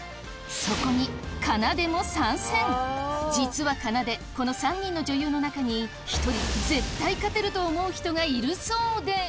そこに実はかなでこの３人の女優の中に１人絶対勝てると思う人がいるそうで。